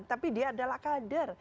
tapi dia adalah kader